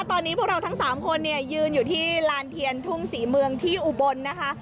ตอนนี้พวกเราทั้ง๓คนเนี่ยยืนอยู่ที่ลานเทียนทุ่งศรีเมืองที่อุบลนะคะ